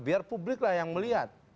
biar publik lah yang melihat